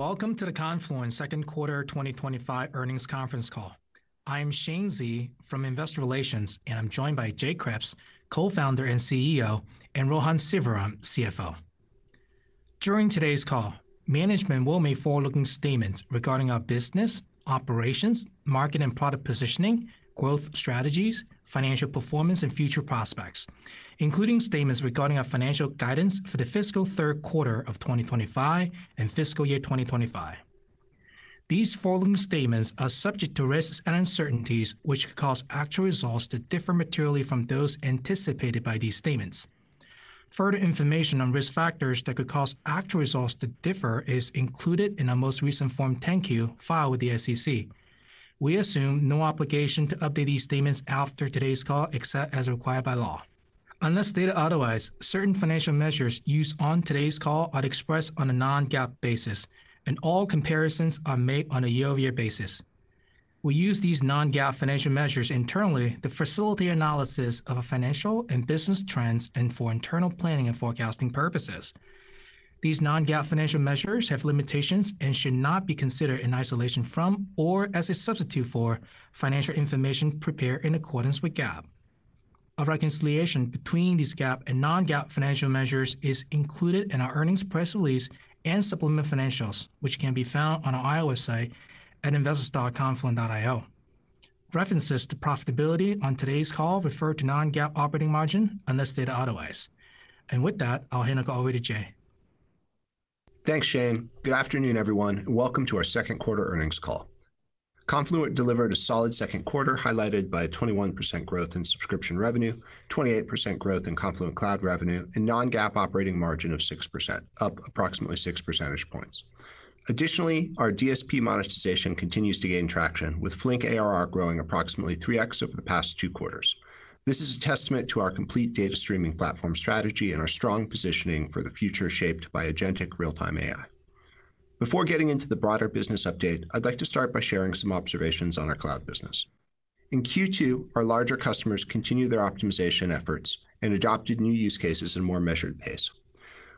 Welcome to the Confluent Second Quarter 2025 earnings Conference Call. I am Shane Xie from Investor Relations and I'm joined by Jay Kreps, Co-Founder and CEO, and Rohan Sivaram, CFO. During today's call, management will make forward-looking statements regarding our business operations, market and product positioning, growth strategies, financial performance, and future prospects, including statements regarding our financial guidance for the fiscal Third Quarter of 2025 and fiscal year 2025. These forward-looking statements are subject to risks and uncertainties which could cause actual results to differ materially from those anticipated by these statements. Further information on risk factors that could cause actual results to differ is included in our most recent Form 10-Q filed with the SEC. We assume no obligation to update these statements after today's call except as required by law. Unless stated otherwise, certain financial measures used on today's call are expressed on a non-GAAP basis and all comparisons are made on a year-over-year basis. We use these non-GAAP financial measures internally to facilitate analysis of financial and business trends and for internal planning and forecasting purposes. These non-GAAP financial measures have limitations and should not be considered in isolation from or as a substitute for financial information prepared in accordance with GAAP. A reconciliation between these GAAP and non-GAAP financial measures is included in our earnings press release and supplemental financials which can be found on our IR site at investors.confluent.io. References to profitability on today's call refer to non-GAAP operating margin unless stated otherwise. With that, I'll hand it over to Jay. Thanks, Shane. Good afternoon, everyone, and welcome to our Second Quarter Earnings Call. Confluent delivered a solid Second Quarter highlighted by 21% growth in subscription revenue, 28% growth in Confluent Cloud revenue, and non-GAAP operating margin of 6%, up approximately six percentage points. Additionally, our Data Streaming Platform monetization continues to gain traction with Flink ARR growing approximately 3x over the past two quarters. This is a testament to our complete data streaming platform strategy and our strong positioning for the future shaped by Agentic real-time AI. Before getting into the broader business update, I'd like to start by sharing some observations on our cloud business in Q2. Our larger customers continue their optimization efforts and adopted new use cases in a more measured pace.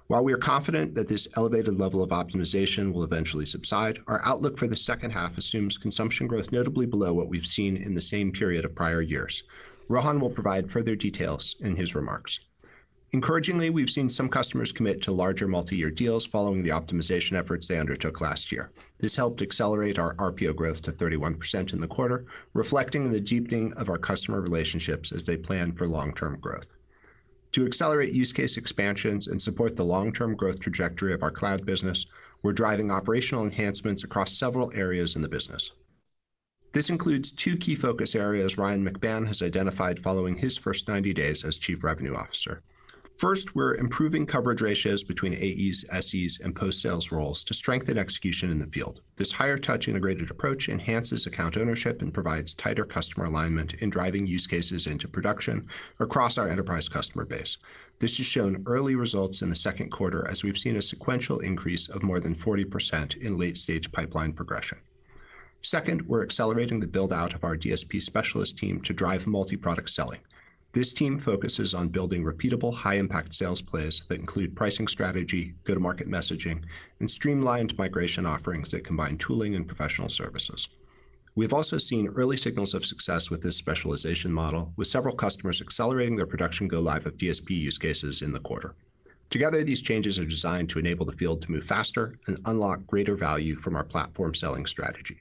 While we are confident that this elevated level of optimization will eventually subside, our outlook for the second half assumes consumption growth notably below what we've seen in the same period of prior years. Rohan will provide further details in his remarks. Encouragingly, we've seen some customers commit to larger multi-year deals following the optimization efforts they undertook last year. This helped accelerate our RPO growth to 31% in the quarter, reflecting the deepening of our customer relationships as they plan for long-term growth. To accelerate use case expansions and support the long-term growth trajectory of our cloud business, we're driving operational enhancements across several areas in the business. This includes two key focus areas Ryan McMahon has identified following his first 90 days as Chief Revenue Officer. First, we're improving coverage ratios between AEs, SEs, and post-sales roles to strengthen execution in the field. This higher touch integrated approach enhances account ownership and provides tighter customer alignment in driving use cases into production across our enterprise customer base. This has shown early results in the Second Quarter as we've seen a sequential increase of more than 40% in late-stage pipeline progression. Second, we're accelerating the build out of our DSP specialist team to drive multi-product selling. This team focuses on building repeatable high-impact sales plays that include pricing strategy, go-to-market messaging, and streamlined migration offerings that combine tooling and professional services. We've also seen early signals of success with this specialization model with several customers accelerating their production go-live of DSP use cases in the quarter. Together, these changes are designed to enable the field to move faster and unlock greater value from our platform selling strategy.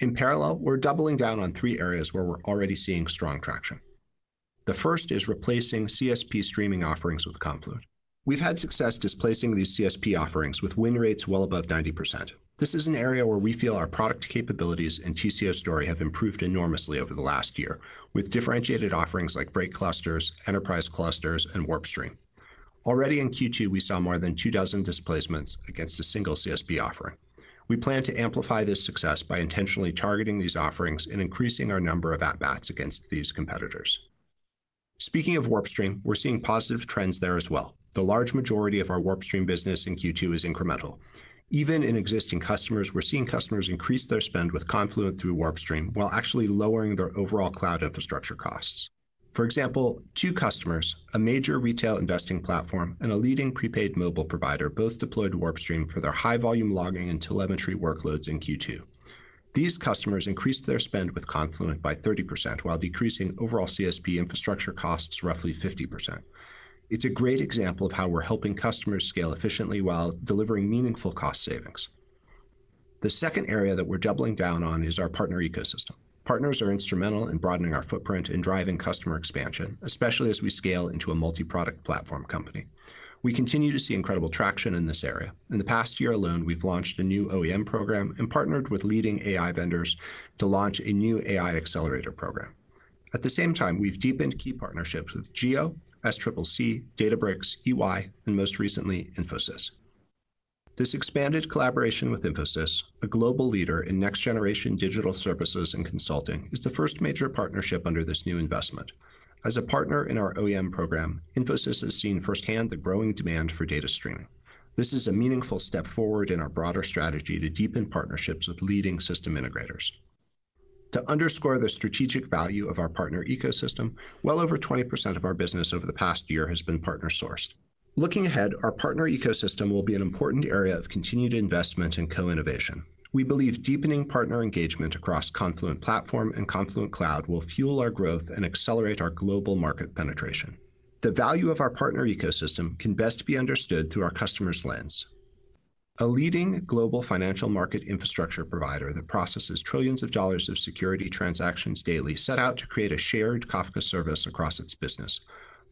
In parallel, we're doubling down on three areas where we're already seeing strong traction. The first is replacing CSP streaming offerings with Confluent. We've had success displacing these CSP offerings with win rates well above 90%. This is an area where we feel our product capabilities and TCO story have improved enormously over the last year with differentiated offerings like Basic Clusters, Enterprise Clusters, WarpStream. already in Q2 we saw more than two dozen displacements against a single CSP offering. We plan to amplify this success by intentionally targeting these offerings and increasing our number of at bats against these competitors. Speaking WarpStream, we're seeing positive trends there as well. The large majority of WarpStream business in Q2 is incremental even in existing customers. We're seeing customers increase their spend with Confluent WarpStream while actually lowering their overall cloud infrastructure costs. For example, two customers, a major retail investing platform and a leading prepaid mobile provider, both WarpStream for their high volume logging and telemetry workloads. In Q2, these customers increased their spend with Confluent by 30% while decreasing overall CSP infrastructure costs roughly 50%. It's a great example of how we're helping customers scale efficiently while delivering meaningful cost savings. The second area that we're doubling down on is our partner ecosystem. Partners are instrumental in broadening our footprint and driving customer expansion, especially as we scale into a multi-product platform company. We continue to see incredible traction in this area. In the past year alone, we've launched a new OEM program and partnered with leading AI vendors to launch a new AI accelerator program. At the same time, we've deepened key partnerships with Google Cloud Platform, Databricks, Ernst & Young, and most recently Infosys. This expanded collaboration with Infosys, a global leader in next generation digital services and consulting, is the first major partnership under this new investment. As a partner in our OEM program, Infosys has seen firsthand the growing demand for data streaming. This is a meaningful step forward in our broader strategy to deepen partnerships with leading system integrators to underscore the strategic value of our partner ecosystem. Well over 20% of our business over the past year has been partner sourced. Looking ahead, our partner ecosystem will be an important area of continued investment and co-innovation. We believe deepening partner engagement across Confluent Platform and Confluent Cloud will fuel our growth and accelerate our global market penetration. The value of our partner ecosystem can best be understood through our customers lens, a leading global financial market infrastructure provider that processes trillions of dollars of security transactions daily, set out to create a shared Kafka service across its business.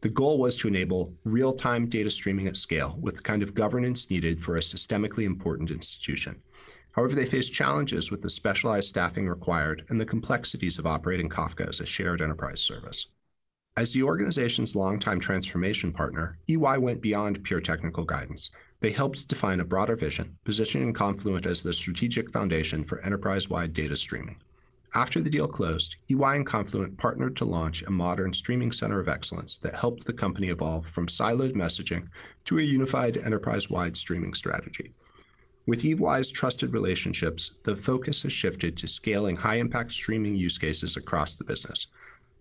The goal was to enable real-time data streaming at scale with the kind of governance needed for a systemically important institution. However, they faced challenges with the specialized staffing required and the complexities of operating Kafka as a shared enterprise service. As the organization's longtime transformation partner, Ernst & Young went beyond pure technical guidance. They helped define a broader vision, positioning Confluent as the strategic foundation for enterprise-wide data streaming. After the deal closed, Ernst & Young and Confluent partnered to launch a modern Streaming Center of Excellence that helped the company evolve from siloed messaging to a unified enterprise-wide streaming strategy. With Ernst & Young's trusted relationships, the focus has shifted to scaling high-impact streaming use cases across the business.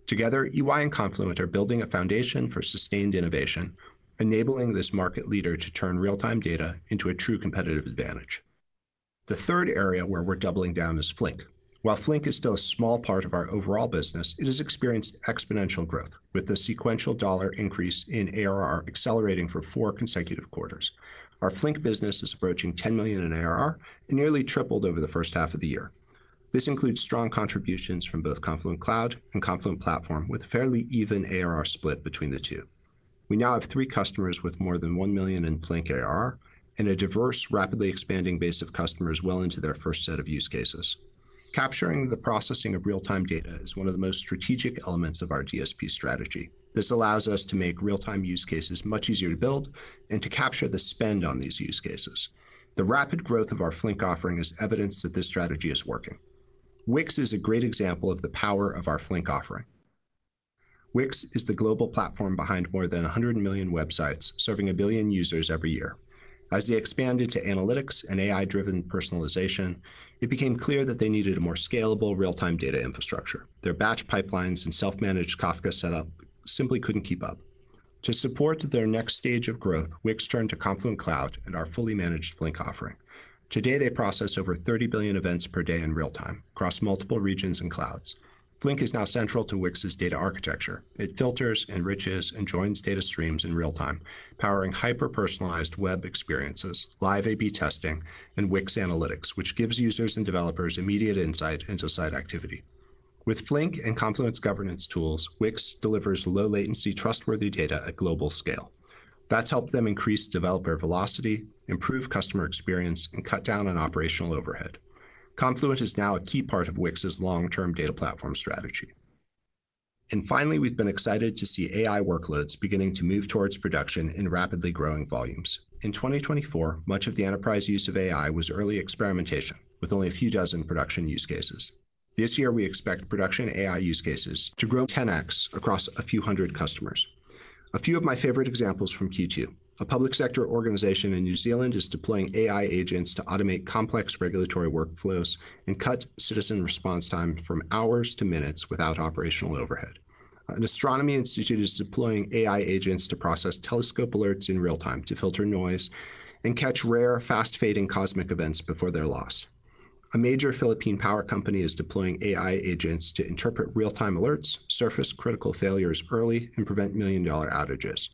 Together, Ernst & Young and Confluent are building a foundation for sustained innovation, enabling this market leader to turn real-time data into a true competitive advantage. The third area where we're doubling down is Flink. While Flink is still a small part of our overall business, it has experienced exponential growth with the sequential dollar increase in ARR accelerating for four consecutive quarters. Our Flink business is approaching $10 million in ARR and nearly tripled over the first half of the year. This includes strong contributions from both Confluent Cloud and Confluent Platform. With fairly even ARR split between the two, we now have three customers with more than $1 million in Flink ARR and a diverse, rapidly expanding base of customers well into their first set of use cases. Capturing the processing of real-time data is one of the most strategic elements of our DSP strategy. This allows us to make real-time use cases much easier to build and to capture the spend on these use cases. The rapid growth of our Flink offering is evidence that this strategy is working. Wix is a great example of the power of our Flink offering. Wix is the global platform behind more than 100 million websites serving a billion users every year. As they expanded to analytics and AI-driven personalization, it became clear that they needed a more scalable real-time data infrastructure. Their batch pipelines and self-managed Kafka setup simply couldn't keep up. To support their next stage of growth, Wix turned to Confluent Cloud and our fully managed Flink offering. Today they process over 30 billion events per day in real time across multiple regions and clouds. Flink is now central to Wix's data architecture. It filters, enriches, and joins data streams in real time, powering hyper-personalized web experiences, live A/B testing, and Wix analytics, which gives users and developers immediate insight into site activity. With Flink and Confluent governance tools, Wix delivers low-latency, trustworthy data at global scale that's helped them increase developer velocity, improve customer experience, and cut down on operational overhead. Confluent is now a key part of Wix's long-term data platform strategy. Finally, we've been excited to see AI workloads beginning to move towards production in rapidly growing volumes in 2024. Much of the enterprise use of AI was early experimentation with only a few dozen production use cases. This year we expect production AI use cases to grow 10x across a few hundred customers. A few of my favorite examples from Q2: a public sector organization in New Zealand is deploying AI agents to automate complex regulatory workflows and cut citizen response time from hours to minutes without operational overhead. An astronomy institute is deploying AI agents to process telescope alerts in real time to filter noise and catch rare, fast-fading cosmic events before they're lost. A major Philippine power company is deploying AI agents to interpret real time alerts, surface critical failures early, and prevent million dollar outages.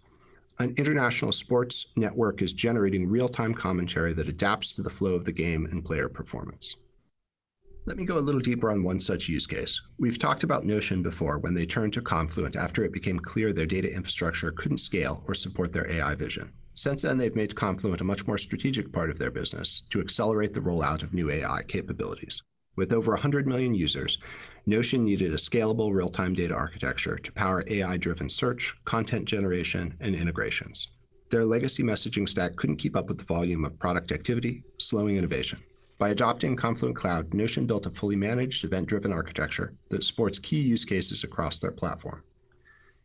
An international sports network is generating real time commentary that adapts to the flow of the game and player performance. Let me go a little deeper on one such use case. We've talked about Notion before when they turned to Confluent after it became clear their data infrastructure couldn't scale or support their AI vision. Since then, they've made Confluent a much more strategic part of their business to accelerate the rollout of new AI capabilities. With over 100 million users, Notion needed a scalable real time data architecture to power AI-driven search, content generation, and integrations. Their legacy messaging stack couldn't keep up with the volume of product activity, slowing innovation. By adopting Confluent Cloud, Notion built a fully managed event-driven architecture that supports key use cases across their platform.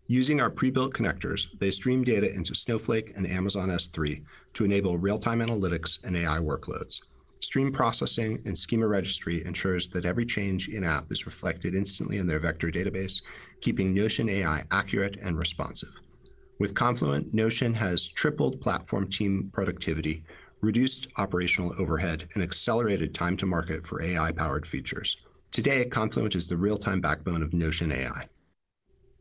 Using our pre-built Connectors, they stream data into Snowflake and Amazon S3 to enable real-time analytics and AI workloads. Stream processing and Schema Registry ensure that every change in app is reflected instantly in their vector database, keeping Notion AI accurate and responsive. With Confluent, Notion has tripled platform team productivity, reduced operational overhead, and accelerated time to market for AI-powered features. Today, Confluent is the real-time backbone of Notion AI.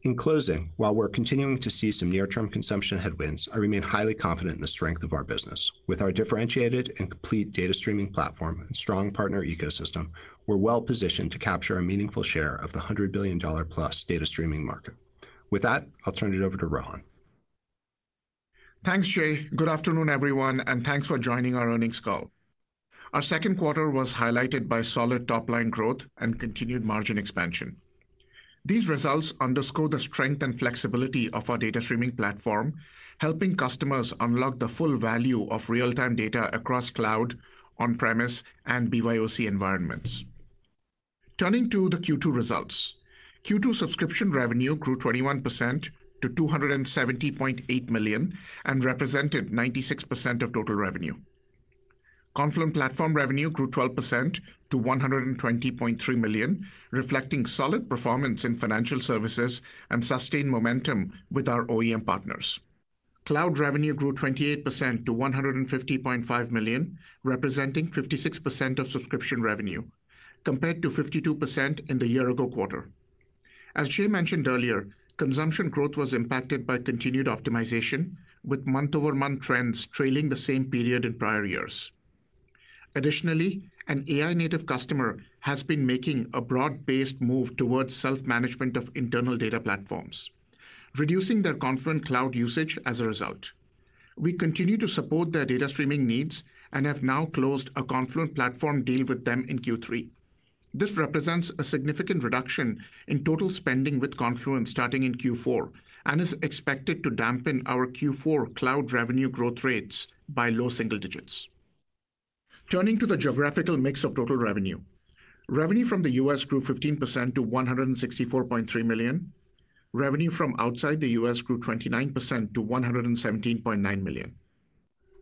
In closing, while we're continuing to see some near-term consumption headwinds, I remain highly confident in the strength of our business. With our differentiated and complete Data Streaming Platform and strong partner ecosystem, we're well positioned to capture a meaningful share of the $100 billion plus data streaming market. With that, I'll turn it over to Rohan. Thanks Jay. Good afternoon everyone and thanks for joining our earnings call. Our Second Quarter was highlighted by solid top line growth and continued margin expansion. These results underscore the strength and flexibility of our Data Streaming Platform, helping customers unlock the full value of real time data across cloud, on premise, and BYOC environments. Turning to the Q2 results, Q2 subscription revenue grew 21% to $270.8 million and represented 96% of total revenue. Confluent Platform revenue grew 12% to $120.3 million, reflecting solid performance in financial services and sustained momentum with our OEM partners. Cloud revenue grew 28% to $150.5 million, representing 56% of subscription revenue compared to 52% in the year ago quarter. As Jay mentioned earlier, consumption growth was impacted by continued optimization with month over month trends trailing the same period in prior years. Additionally, an AI-native customer has been making a broad based move towards self management of internal data platforms, reducing their Confluent Cloud usage. As a result, we continue to support their data streaming needs and have now closed a Confluent Platform deal with them in Q3. This represents a significant reduction in total spending with Confluent starting in Q4 and is expected to dampen our Q4 cloud revenue growth rates by low single digits. Turning to the geographical mix of total revenue, revenue from the U.S. grew 15% to $164.3 million. Revenue from outside the U.S. grew 29% to $117.9 million.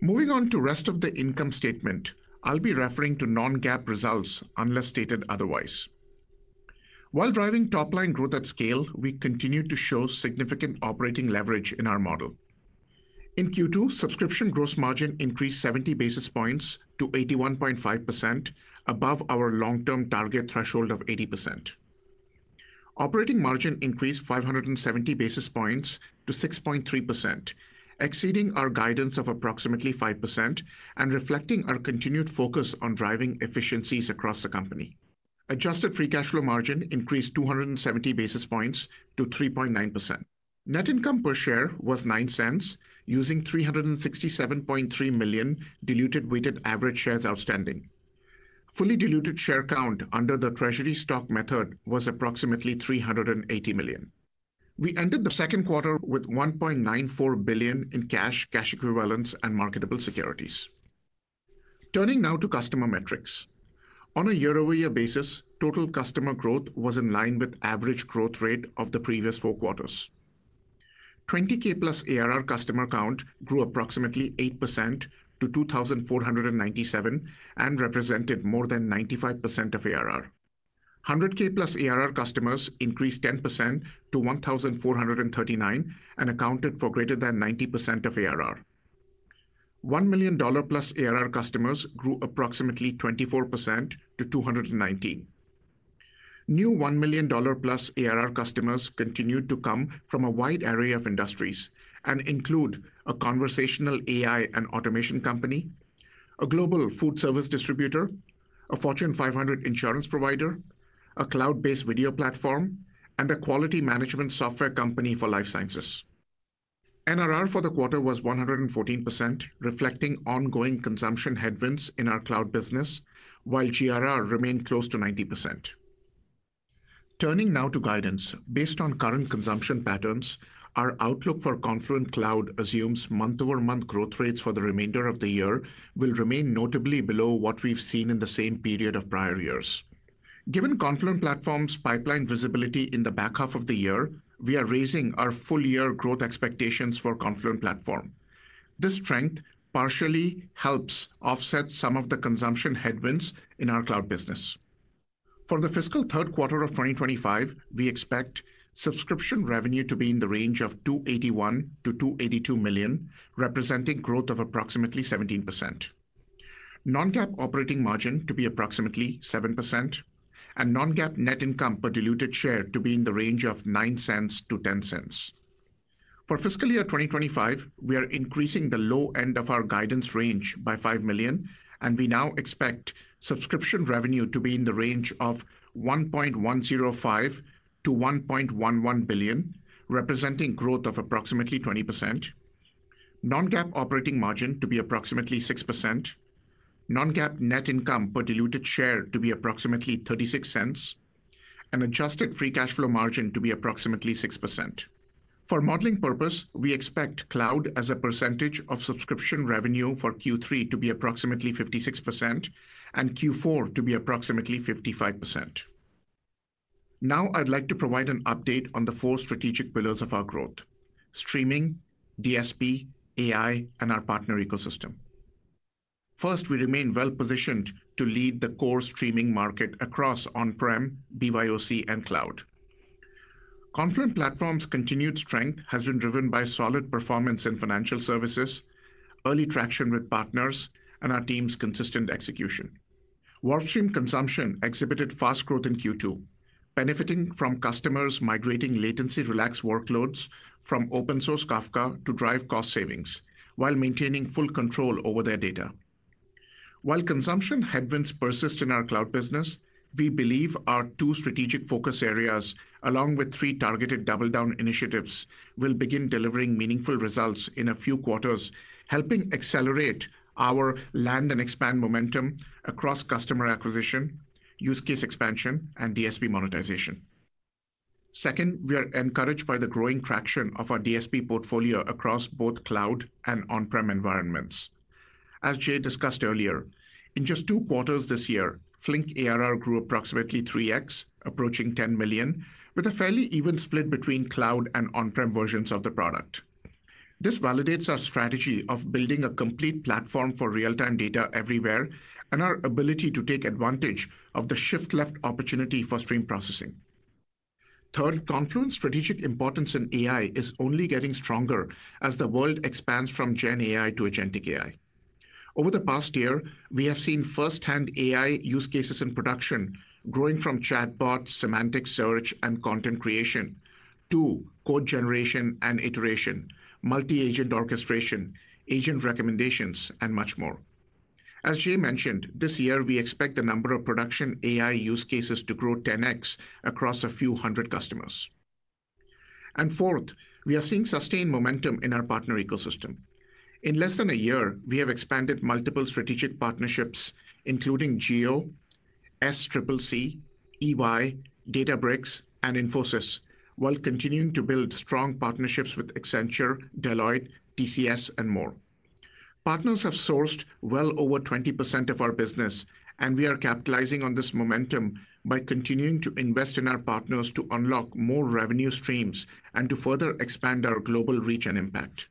Moving on to the rest of the income statement, I'll be referring to non-GAAP results unless stated otherwise. While driving top line growth at scale, we continue to show significant operating leverage in our model. In Q2, subscription gross margin increased 70 basis points to 81.5%, above our long term target threshold of 80%. Operating margin increased 570 basis points to 6.3%, exceeding our guidance of approximately 5% and reflecting our continued focus on driving efficiencies across the company. Adjusted free cash flow margin increased 270 basis points to 3.9%. Net income per share was $0.09 using 367.3 million diluted weighted average shares outstanding. Fully diluted share count under the treasury stock method was approximately 380 million. We ended the Second Quarter with $1.94 billion in cash, cash equivalents, and marketable securities. Turning now to customer metrics, on a year-over-year basis, total customer growth was in line with the average growth rate of the previous four quarters. $20K+ ARR customer count grew approximately 8% to 2,497 and represented more than 95% of ARR. $100K+ ARR customers increased 10% to 1,439 and accounted for greater than 90% of ARR. $1 million+ ARR customers grew approximately 24% to 219. New $1 million+ ARR customers continued to come from a wide array of industries and include a conversational AI and automation company, a global food service distributor, a Fortune 500 insurance provider, a cloud-based video platform, and a quality management software company for life sciences. NRR for the quarter was 114%, reflecting ongoing consumption headwinds in our cloud business, while GRR remained close to 90%. Turning now to guidance, based on current consumption patterns, our outlook for Confluent Cloud assumes month-over-month growth rates for the remainder of the year will remain notably below what we've seen in the same period of prior years. Given Confluent Platform's pipeline visibility in the back half of the year, we are raising our full-year growth expectations for Confluent Platform. This strength partially helps offset some of the consumption headwinds in our cloud business. For the fiscal Third Quarter of 2025, we expect subscription revenue to be in the range of $281 million to $282 million, representing growth of approximately 17%, non-GAAP operating margin to be approximately 7%, and non-GAAP net income per diluted share to be in the range of $0.09 to $0.10. For fiscal year 2025, we are increasing the low end of our guidance range by $5 million, and we now expect subscription revenue to be in the range of $1.105 billion to $1.11 billion, representing growth of approximately 20%, non-GAAP operating margin to be approximately 6%, non-GAAP net income per diluted share to be approximately $0.36, and adjusted free cash flow margin to be approximately 6%. For modeling purposes, we expect cloud as a percentage of subscription revenue for Q3 to be approximately 56% and Q4 to be approximately 55%. Now I'd like to provide an update on the four strategic pillars of our growth: streaming, DSP, AI, and our partner ecosystem. First, we remain well positioned to lead the core streaming market across On Prem, BYOC, and Cloud. Confluent Platform's continued strength has been driven by solid performance in financial services, early traction with partners, and our team's consistent WarpStream consumption exhibited fast growth in Q2, benefiting from customers migrating latency-relaxed workloads from open source Kafka to drive cost savings while maintaining full control over their data. While consumption headwinds persist in our cloud business, we believe our two strategic focus areas along with three targeted double down initiatives will begin delivering meaningful results in a few quarters, helping accelerate our land and expand momentum across customer acquisition, use case expansion, and DSP monetization. Second, we are encouraged by the growing traction of our DSP portfolio across both cloud and on-prem environments. As Jay discussed earlier, in just Q2 this year, Apache Flink ARR grew approximately 3x, approaching $10 million, with a fairly even split between cloud and on-prem versions of the product. This validates our strategy of building a complete platform for real-time data everywhere and our ability to take advantage of the shift-left opportunity for stream processing. Third, Confluent's strategic importance in AI is only getting stronger as the world expands from Gen AI to Agentic AI. Over the past year, we have seen firsthand AI use cases in production growing from chatbots, semantic search, and content creation to code generation and iteration, multi-agent orchestration, agent recommendations, and much more. As Jay mentioned, this year we expect the number of production AI use cases to grow 10x across a few hundred customers. Fourth, we are seeing sustained momentum in our partner ecosystem. In less than a year, we have expanded multiple strategic partnerships including Jio, SCC, Ernst & Young, Databricks, and Infosys while continuing to build strong partnerships with Accenture, Deloitte, TCS, and more. Partners have sourced well over 20% of our business, and we are capitalizing on this momentum by continuing to invest in our partners to unlock more revenue streams and to further expand our global reach and impact.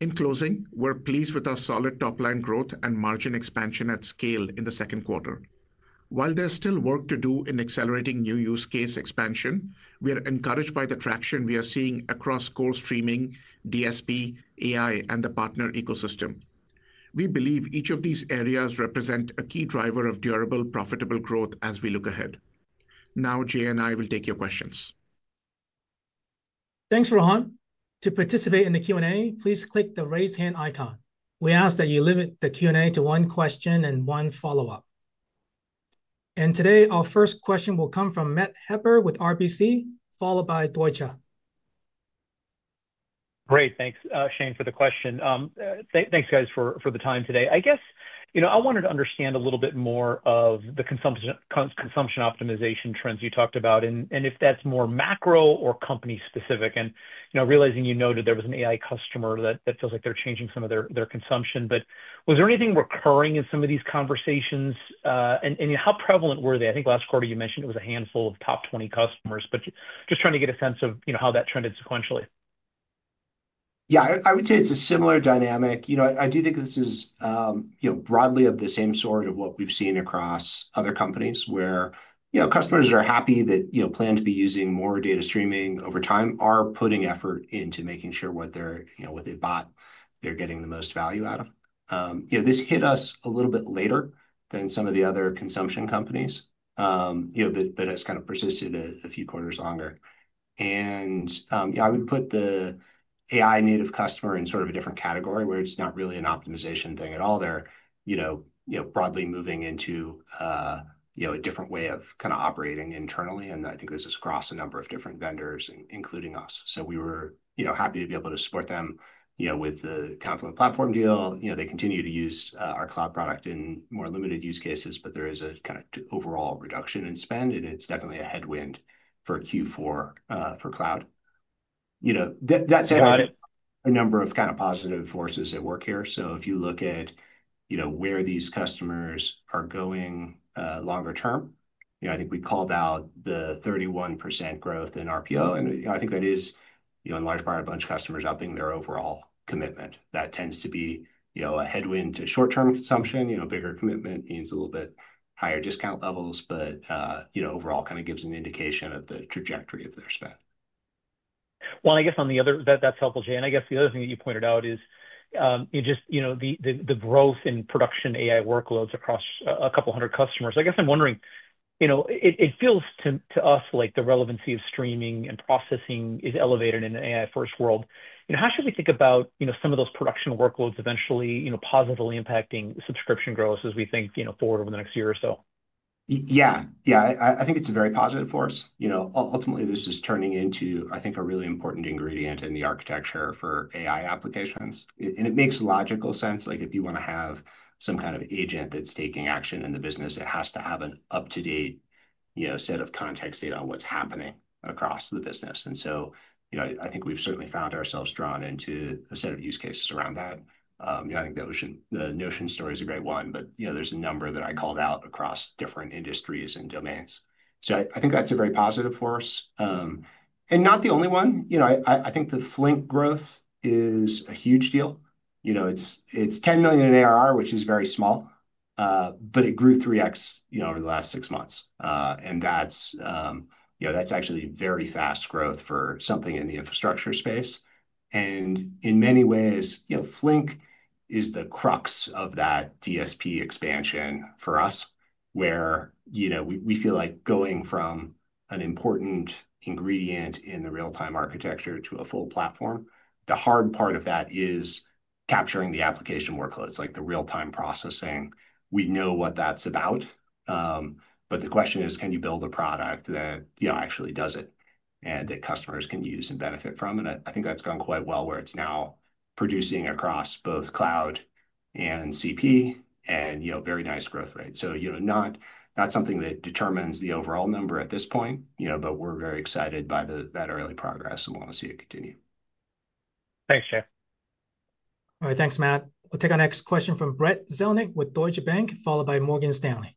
In closing, we're pleased with our solid top line growth and margin expansion at scale in the Second Quarter. While there's still work to do in accelerating new use case expansion, we are encouraged by the traction we are seeing across cloud streaming, DSP, AI, and the partner ecosystem. We believe each of these areas represent a key driver of durable, profitable growth as we look ahead. Now, Jay and I will take your questions. Thanks, Rohan. To participate in the Q&A, please click the raise hand icon. We ask that you limit the Q&A to one question and one follow-up, and today our first question will come from Matt Hedberg with RBC, followed by Deutsche. Great. Thanks, Shane, for the question. Thanks, guys, for the time today. I guess I wanted to understand a little bit more of the consumption optimization trends you talked about and if that's more macro or company specific. Realizing you noted there was an AI customer that feels like they're changing some of their consumption, was there any occurring in some of these conversations and how prevalent were they? I think last quarter you mentioned it was a handful of top 20 customers, just trying to get a sense of how that trended sequentially. Yeah, I would say it's a similar dynamic. I do think this is broadly of the same sort of what we've seen across other companies where customers that plan to be using more data streaming over time are putting effort into making sure what they bought they're getting the most value out of. This hit us a little bit later than some of the other consumption companies, but it's kind of persisted a few quarters longer. I would put the AI-native customer in a different category where it's not really an optimization thing at all. They're broadly moving into a different way of operating internally, and I think this is across a number of different vendors, including us, so we were happy to be able to support them with the Confluent Platform deal. They continue to use our Cloud product in more limited use cases, but there is a kind of overall reduction in spend, and it's definitely a headwind for Q4 for Cloud. There have been a number of positive forces at work here. If you look at where these customers are going longer term, I think we called out the 31% growth in RPO, and I think that is, in large part, a bunch of customers upping their overall commitment. That tends to be a headwind to short-term consumption. Bigger commitment means a little bit higher discount levels, but overall kind of gives an indication of the trajectory of their spend. The other thing that you pointed out is just the growth in production AI workloads across a couple hundred customers. I guess I'm wondering, you know, it feels to us like the relevancy of streaming and processing is elevated in an AI-first world. How should we think about some of those production workloads eventually positively impacting subscription growth as we think forward over the next year or so? Yeah, yeah, I think it's a very positive force. Ultimately this is turning into, I think, a really important ingredient in the architecture for AI applications and it makes logical sense. Like if you want to have some kind of agent that's taking action in the business, it has to have an up-to-date set of context data on what's happening across the business. I think we've certainly found ourselves drawn into a set of use cases around that. I think the Notion story is a great one, but there's a number that I called out across different industries and domains. I think that's very positive for us and not the only one. I think the Flink growth is a huge deal. It's $10 million in ARR, which is very small, but it grew 3x over the last six months. That's actually very fast growth for something in the infrastructure space. In many ways, Flink is the crux of that DSP expansion for us where we feel like going from an important ingredient in the real-time architecture to a full platform. The hard part of that is capturing the application workloads like the real-time processing. We know what that's about, but the question is, can you build a product that actually does it and that customers can use and benefit from? I think that's gone quite well, where it's now producing across both cloud and CP and very nice growth rate. Not something that determines the overall number at this point, but we're very excited by that early progress and want to see it continue. Thanks, Jay. All right, thanks, Matt. We'll take our next question from Brad Zelnick with Deutsche Bank, followed by Morgan Stanley.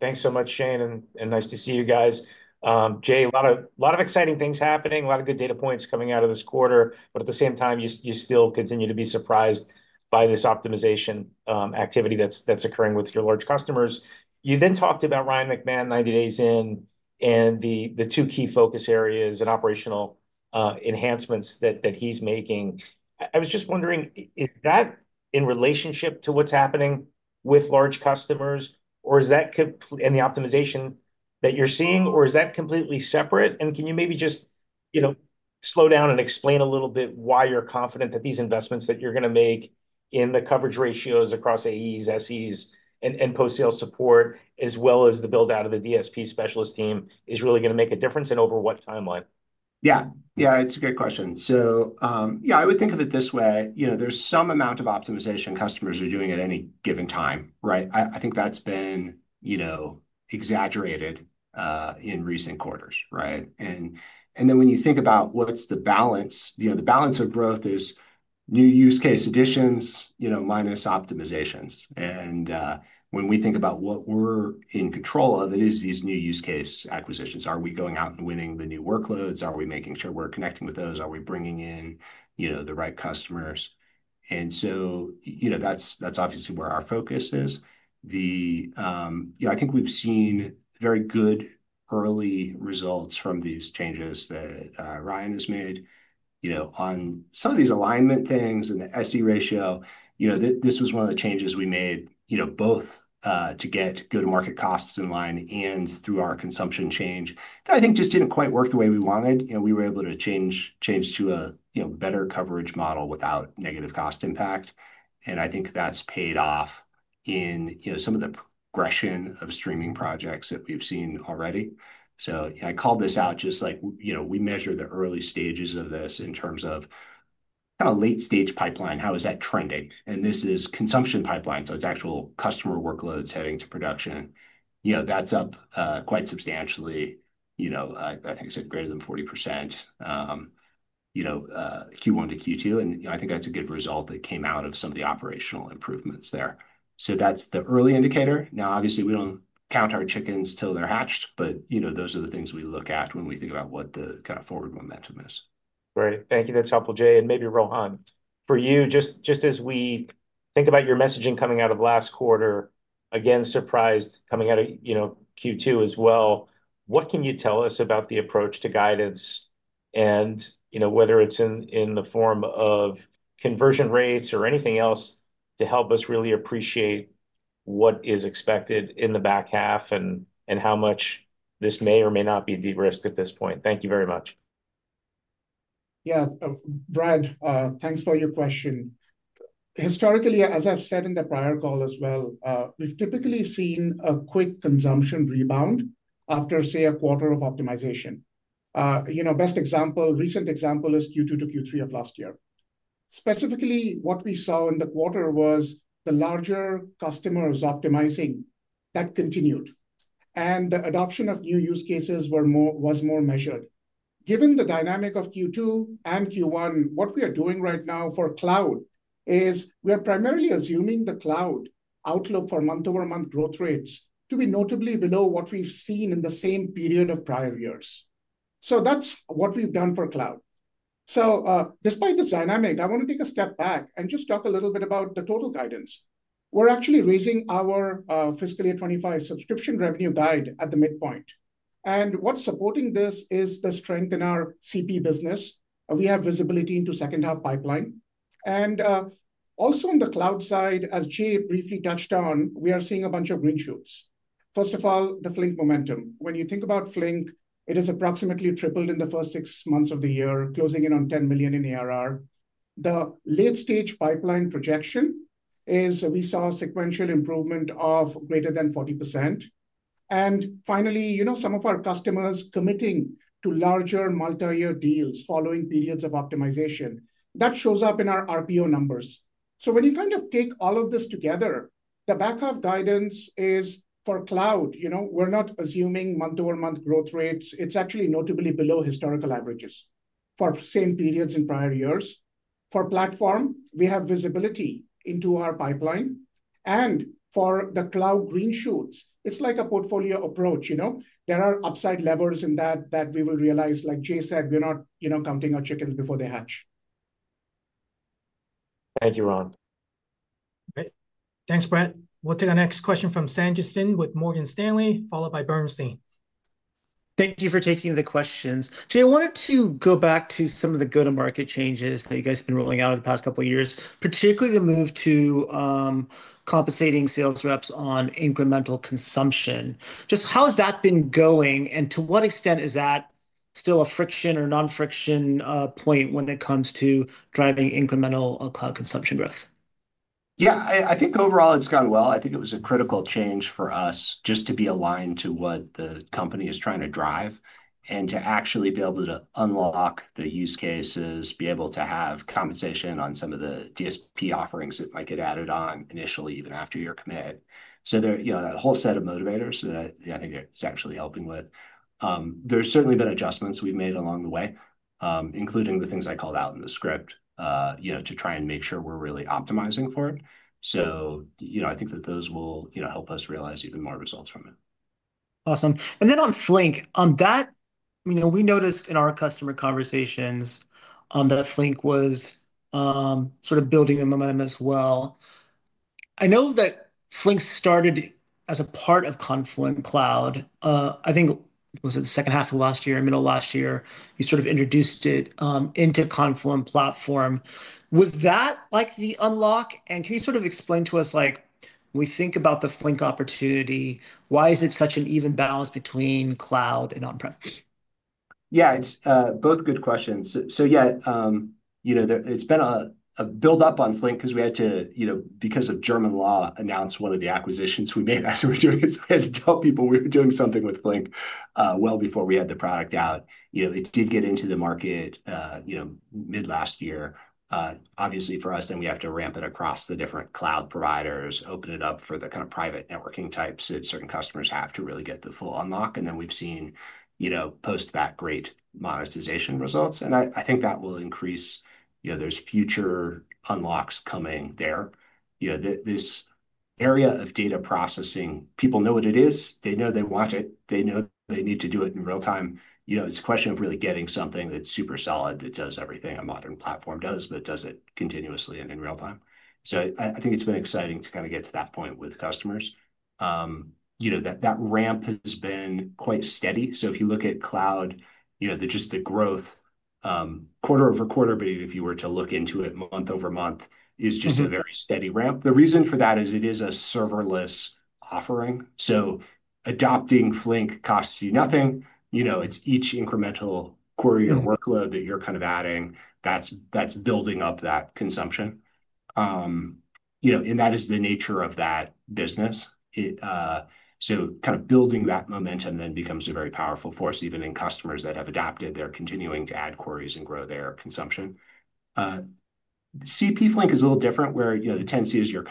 Thanks so much, Shane, and nice to see you guys. Jay, a lot of exciting things happening. A lot of good data points coming out of this quarter. At the same time you still continue to be surprised by this optimization activity that's occurring with your large customers. You then talked about Ryan McMahon 90 days in and the two key focus areas and operational enhancements that he's making. I was just wondering, is that in relationship to what's happening with large customers or is that in the optimization that you're seeing or is that completely separate? Can you maybe just slow down and explain a little bit why you're confident that these investments that you're going to make in the coverage ratios across AEs, SEs, and post-sales support, as well as the build out of the DSP specialist team, is really going to make a difference and over what timeline? Yeah, it's a great question. I would think of it this way. There's some amount of optimization customers are doing at any given time. I think that's been exaggerated in recent quarters. When you think about what's the balance, the balance of growth is new use case additions minus optimizations. When we think about what we're in control of, it is these new use case acquisitions. Are we going out and winning the new workloads? Are we making sure we're connecting with those? Are we bringing in the right customers? That's obviously where our focus is. I think we've seen very good early results from these changes that Ryan has made on some of these alignment things and the SE ratio. This was one of the changes we made both to get go-to-market costs in line and through our consumption change that I think just didn't quite work the way we wanted. We were able to change to a better coverage model without negative cost impact. I think that's paid off in some of the progression of streaming projects that we've seen already. I called this out. We measure the early stages of this in terms of kind of late-stage pipeline, how is that trending? This is consumption pipeline, so it's actual customer workloads heading to production. That's up quite substantially. I think I said greater than 40% Q1 to Q2, and I think that's a good result. That came out of some of the operational improvements there. That's the early indicator. Obviously, we don't count our chickens till they're hatched, but those are the things we look at when we think about what the kind of forward momentum is. Right, thank you, that's helpful Jay, and maybe Rohan for you. Just as we think about your messaging coming out of last quarter, again, surprised coming out of Q2 as well. What can you tell us about the approach to guidance, and whether it's in the form of conversion rates or anything else to help us really appreciate what is expected in the back half and how much this may or may not be de-risked at this point? Thank you very much. Yeah Brad, thanks for your question. Historically, as I've said in the prior call as well, we've typically seen a quick consumption rebound after, say, a quarter of optimization. Best example, recent example is Q2 to Q3 of last year. Specifically, what we saw in the quarter was the larger customers optimizing; that continued and the adoption of new use cases was more measured. Given the dynamic of Q2 and Q1, what we are doing right now for cloud is we are primarily assuming the cloud outlook for month-over-month growth rates to be notably below what we've seen in the same period of prior years. That's what we've done for cloud. Despite this dynamic, I want to take a step back and just talk a little bit about the total guidance. We're actually raising our Fiscal Year 2025 Subscription Revenue Guide at the midpoint, and what's supporting this is the strength in our Confluent Platform business. We have visibility into second half pipeline, and also on the cloud side, as Jay briefly touched on, we are seeing a bunch of green shoots. First of all, the Flink momentum, when you think about Flink, it is approximately tripled in the first six months of the year, closing in on $10 million in ARR. The late-stage pipeline progression is we saw a sequential improvement of greater than 40%, and finally, some of our customers committing to larger multi-year deals following periods of optimization that shows up in our RPO numbers. When you kind of take all of this together, the back half guidance is for cloud. We're not assuming month-over-month growth rates. It's actually notably below historical averages for same periods in prior years. For platform, we have visibility into our pipeline, and for the cloud green shoots, it's like a portfolio approach. There are upside levers in that we will realize. Like Jay said, we're not counting our chickens before they hatch. Thank you, Rohan. Thanks, Brad. We'll take our next question from Sanjit Singh with Morgan Stanley, followed by Bernstein. Thank you for taking the questions, Jay. I wanted to go back to some of the go-to-market changes that you guys have been rolling out over the past couple years, particularly the move to compensating sales reps on incremental consumption. Just how has that been going, and to what extent is that still a friction or non-friction point when it comes to driving incremental cloud consumption growth? Yeah, I think overall it's gone well. I think it was a critical change for us just to be aligned to what the company is trying to drive and to actually be able to unlock the use cases, be able to have compensation on some of the Data Streaming Platform offerings that might get added on initially even after your commit. There are a whole set of motivators that I think it's actually helping with. There have certainly been adjustments we've made along the way, including the things I called out in the script, to try and make sure we're really optimizing for it. I think that those will help us realize even more results from it. Awesome. On Flink, we noticed in our customer conversations that Flink was sort of building momentum as well. I know that Flink started as a part of Confluent Cloud, I think. Was it the second half of last year? Middle of last year you sort of introduced it into Confluent Platform. Was that like the unlock, and can you sort of explain to us, like, when we think about the Flink opportunity, why is it such an even balance between cloud and on-prem? Yeah, those are both good questions. It's been a build up on Flink because we had to, because of German law, announce one of the acquisitions we made. As we were doing it. I had to tell people we were doing something with Apache Flink well before we had the product out. It did get into the market mid last year obviously for us. We have to ramp it across the different cloud providers, open it up for the kind of private networking types that certain customers have to really get the full unlock. We've seen, post that, great monetization results and I think that will increase. There's future unlocks coming there. This area of data processing, people know what it is, they know they want it, they know they need to do it in real time. It's a question of really getting something that's super solid, that does everything a modern platform does, but does it continuously and in real time. I think it's been exciting to get to that point with customers. That ramp has been quite steady. If you look at cloud, just the growth quarter over quarter, but if you were to look into it month over month, it's just a very steady ramp. The reason for that is it is a serverless offering. Adopting Apache Flink costs you nothing. It's each incremental query or workload that you're adding that's building up that consumption, and that is the nature of that business. Building that momentum then becomes a very powerful force. Even in customers that have adopted, they're continuing to add queries and grow their consumption. Confluent Platform for Apache Flink is a little different where the tendency is you're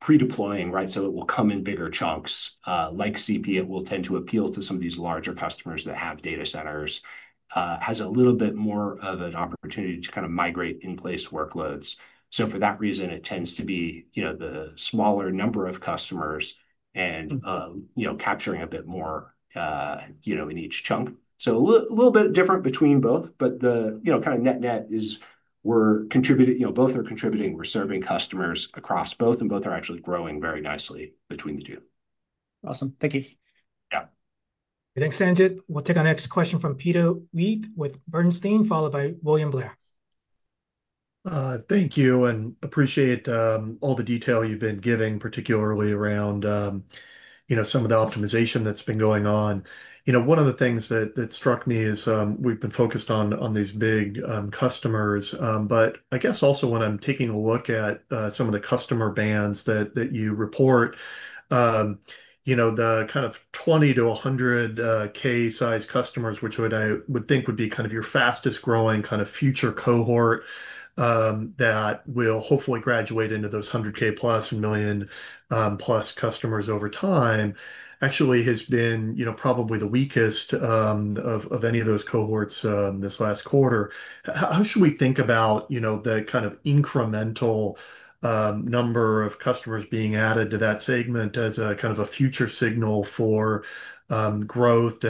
pre-deploying, right? It will come in bigger chunks like Confluent Platform. It will tend to appeal to some of these larger customers that have data centers, has a little bit more of an opportunity to migrate in place workloads. For that reason it tends to be the smaller number of customers and capturing a bit more in each chunk. A little bit different between both. The net net is both are contributing, we're serving customers across both and both are actually growing very nicely between the two. Awesome, thank you. Yeah, thanks Sanjit. We'll take our next question from Peter Levi with Bernstein, followed by William Blair. Thank you and appreciate all the detail you've been giving, particularly around some of the optimization that's been going on. You know, one of the things that struck me is we've been focused on these big customers, but I guess also when I'm taking a look at some of the customer bands that you report, you know, the kind of $20,000 to $100,000 size customers, which I would think would be kind of your fastest growing future cohort that will hopefully graduate into those $100,000 plus, million plus customers over time, actually has been probably the weakest of any of those cohorts this last quarter. How should we think about the incremental number of customers being added to that segment as a future signal for growth?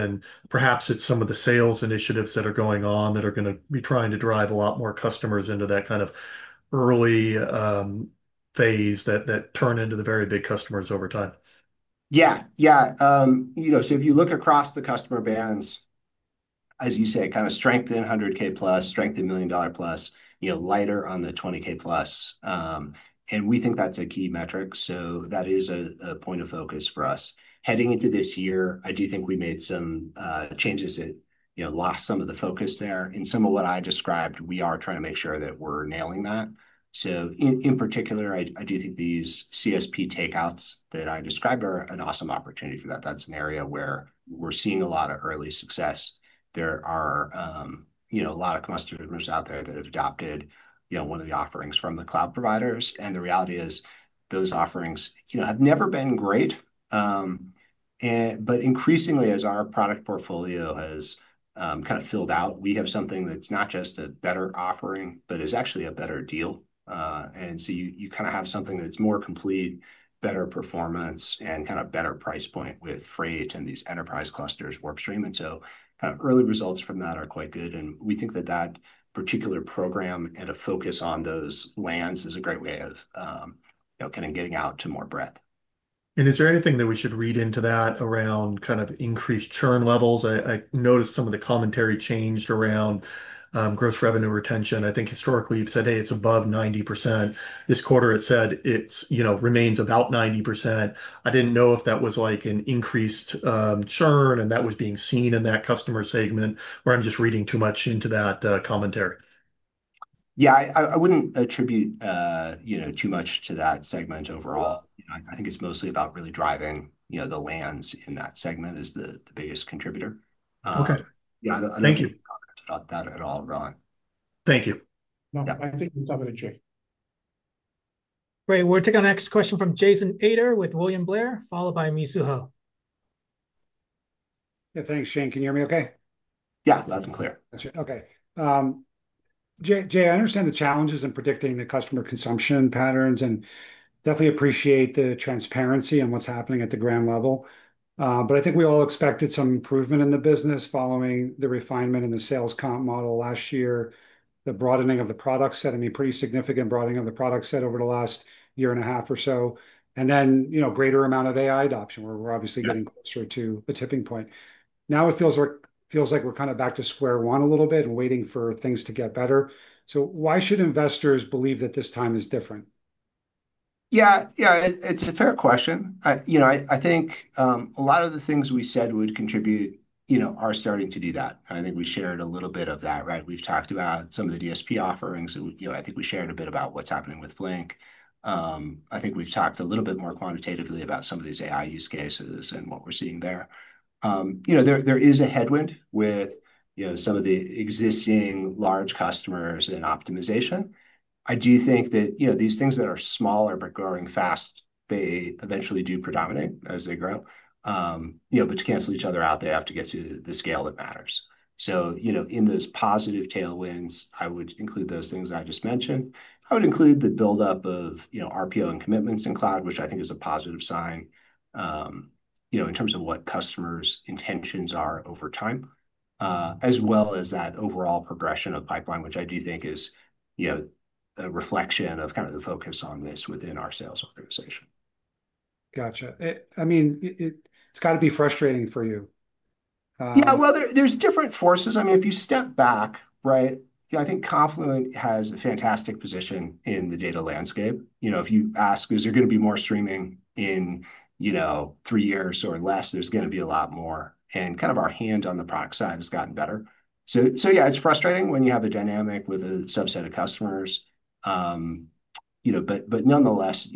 Perhaps it's some of the sales initiatives that are going on that are going to be trying to drive a lot more customers into that early phase that turn into the very big customers over time. Yeah, If you look across the customer bands, as you say, kind of strength in $100,000 plus, strength in million dollar plus, lighter on the $20,000 plus, and we think that's a key metric. That is a point of focus for us heading into this year. I do think we made some changes that lost some of the focus there in some of what I described. We are trying to make sure that we're nailing that. In particular, I do think these CSP takeouts that I describe are an awesome opportunity for that. That's an area where we're seeing a lot of early success. There are a lot out there that have adopted one of the offerings from the cloud providers. The reality is those offerings have never been great. Increasingly, as our product portfolio has kind of filled out, we have something that's not just a better offering but is actually a better deal. You have something that's more complete, better performance, and better price point with Flink and these WarpStream. early results from that are quite good. We think that particular program and a focus on those lands is a great way of getting out to more breadth. Is there anything that we should read into that around increased churn levels? I noticed some of the commentary changed around Gross Revenue Retention. I think historically you've said, hey, it's above 90%. This quarter it said it remains about 90%. I didn't know if that was like an increased churn and that was being seen in that customer segment or I'm just reading too much into that commentary. I wouldn't attribute too much to that segment overall. I think it's mostly about really driving the lands in that segment is the biggest contributor. Okay. Yeah, thank you at all, Rohan. Thank you. I think we'll cover that. Great. We're taking our next question from Jason Ader with William Blair, followed by Mizuho. Yeah, thanks, Shane. Can you hear me okay? Yeah, loud and clear. Okay. Jay, I understand the challenges in predicting the customer consumption patterns and definitely appreciate the transparency and what's happening at the ground level. I think we all expected some improvement in the business following the refinement in the sales comp model last year, the broadening of the product set, I mean, pretty significant broadening of the product set over the last year and a half or so, and then, you know, greater amount of AI adoption where we're obviously getting closer to the tipping point now it feels like. Feels like we're kind of back to square one a little bit and waiting for things to get better. Why should investors believe that this time is different? Yeah, it's a fair question. I think a lot of the things we said would contribute are starting to do that. I think we shared a little bit of that. Right. We've talked about some of the Data Streaming Platform offerings. I think we shared a bit about what's happening with Apache Flink. I think we've talked a little bit more quantitatively about some of these AI use cases and what we're seeing there. There is a headwind with some of the existing large customers and optimization. I do think that these things that are smaller but growing fast, they eventually do predominate as they grow, but to cancel each other out, they have to get to the scale that matters. In those positive tailwinds, I would include those things I just mentioned, I would include the buildup of RPO and commitments in cloud, which I think is a positive sign in terms of what customers' intentions are over time, as well as that overall progression of pipeline, which I do think is a reflection of kind of the focus on this within our sales organization. Got you. I mean, it's got to be frustrating for you. There are different forces. If you step back. Right. Yeah. I think Confluent has a fantastic position in the data landscape. You know, if you ask is there going to be more streaming in, you know, three years or less? There's going to be a lot more, and our hand on the product side has gotten better. Yeah, it's frustrating when you have the dynamic with a subset of customers. Nonetheless,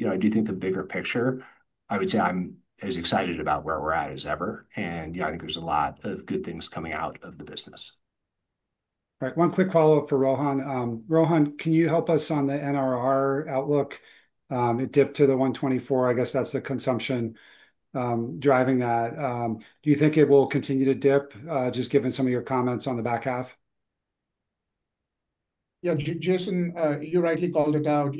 I do think the bigger picture, I would say I'm as excited about where we're at as ever. You know, I think there's a lot of good things coming out of the business. Right. One quick follow-up for Rohan. Rohan, can you help us on the NRR outlook? It dipped to the 124. I guess that's the consumption driving that. Do you think it will continue to dip just given some of your comments on the back half? Yeah, Jason, you rightly called it out.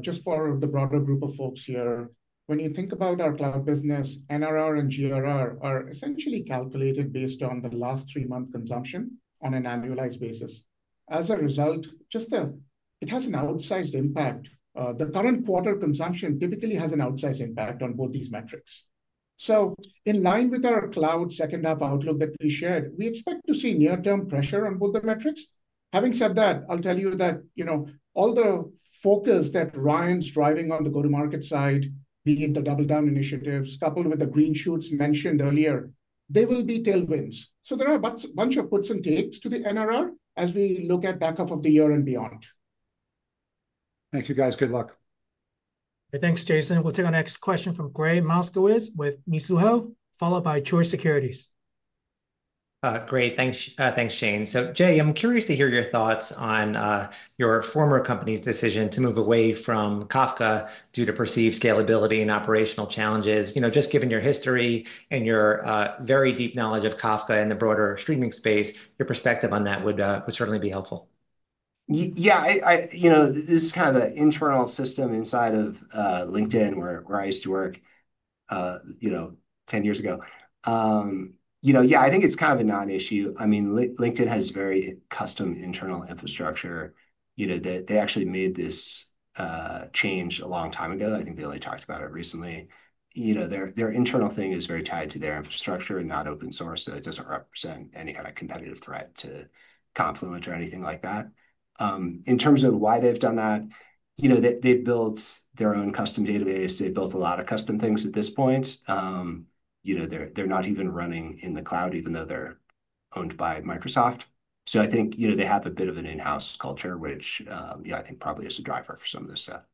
Just for the broader group of folks here, when you think about our cloud business, NRR and GRR are essentially calculated based on the last three month consumption on an annualized basis. As a result, it has an outsized impact. The current quarter consumption typically has an outsized impact on both these metrics. In line with our cloud second half outlook that we shared, we expect to see near term pressure on both the metrics. Having said that, I'll tell you that all the focus that Ryan's driving on the go to market side, be it the double down initiatives coupled with the green shoots mentioned earlier, they will be tailwinds. There are a bunch of puts and takes to the NRR as we look at back half of the year and beyond. Thank you, guys. Good luck. Thanks, Jason. We'll take our next question from Gregg Moskowitz with Mizuho, followed by Chor Securities. Great, thanks. Thanks, Shane. Jay, I'm curious to hear your thoughts on your former company's decision to move away from Kafka due to perceived scalability and operational challenges. Just given your history and your very deep knowledge of Kafka in the broader streaming space, your perspective on that would certainly be helpful. Yeah, this is kind of an internal system inside of LinkedIn where I used to work 10 years ago. I think it's kind of a non-issue. LinkedIn has very custom internal infrastructure. They actually made this change a long time ago. I think they only talked about it recently. Their internal thing is very tied to their infrastructure and not open source. It doesn't represent any kind of competitive threat to Confluent or anything like that in terms of why they've done that. They've built their own custom database. They've built a lot of custom things at this point. They're not even running in the cloud even though they're owned by Microsoft. I think they have a bit of an in-house culture, which I think probably is a driver for some of this stuff.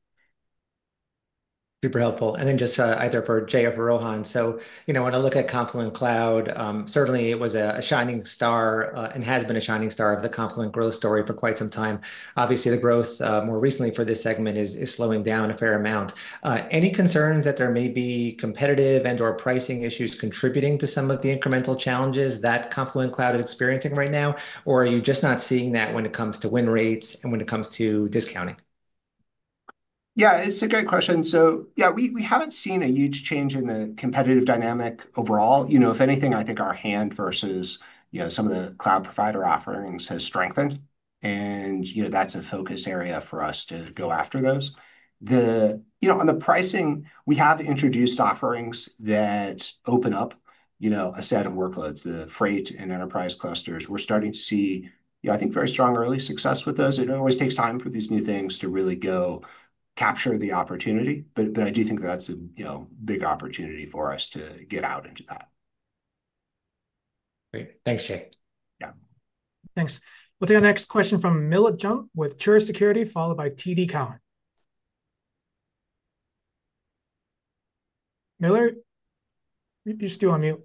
Super helpful, and then just either for Jay or Rohan. When I look at Confluent Cloud, certainly it was a shining star and has been a shining star of the Confluent growth story for quite some time. Obviously, the growth more recently for this segment is slowing down a fair amount. Any concerns that there may be competitive and/or pricing issues contributing to some of the incremental challenges that Confluent Cloud is experiencing right now? Or are you just not seeing that when it comes to win rates and when it comes to discounting? Yeah, it's a great question. We haven't seen a huge change in the competitive dynamic overall. If anything, I think our hand versus some of the cloud provider offerings has strengthened, and that's a focus area for us to go after those. On the pricing, we have introduced offerings that open up a set of workloads. The free and Enterprise Clusters, we're starting to see very strong early success with those. It always takes time for these new things to really go capture the opportunity, but I do think that's a big opportunity for us to get out and do that. Great. Thanks, Jay. Yeah, Thanks. We'll take our next question from Miller Jump with Truist Securities, followed by TD Cowen. Miller, you're still on mute.